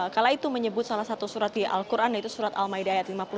kala itu menyebut salah satu surat di al quran yaitu surat al maida ayat lima puluh